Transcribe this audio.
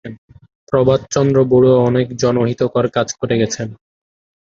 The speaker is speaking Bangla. প্রভাত চন্দ্র বরুয়া অনেক জনহিতকর কাজ করে গিয়েছেন।